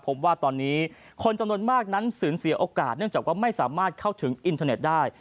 พบว่าตอนนี้คนจำนวนมากนั้นสูญเสียโอกาสเนื่องจากว่าไม่สามารถเข้าถึงอินเทอร์เน็ตได้